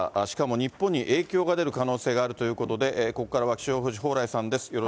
しかも日本に影響が出る可能性があるということで、ここからは気象予報士、蓬莱さんです。